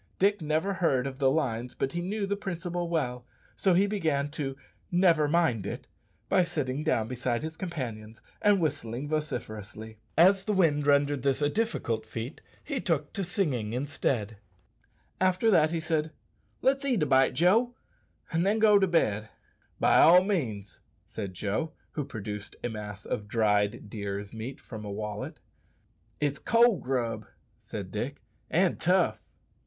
Dick never heard of the lines, but he knew the principle well, so he began to "never mind it" by sitting down beside his companions and whistling vociferously. As the wind rendered this a difficult feat, he took to singing instead. After that he said, "Let's eat a bite, Joe, and then go to bed." "Be all means," said Joe, who produced a mass of dried deer's meat from a wallet. "It's cold grub," said Dick, "and tough."